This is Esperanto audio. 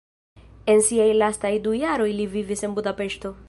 En siaj lastaj du jaroj li vivis en Budapeŝto.